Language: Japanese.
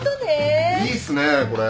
いいっすねこれ。